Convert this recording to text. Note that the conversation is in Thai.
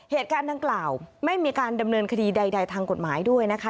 เหตุการณ์ดังกล่าวไม่มีการดำเนินคดีใดทางกฎหมายด้วยนะคะ